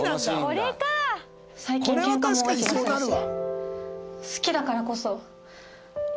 これは確かにそうなるわ。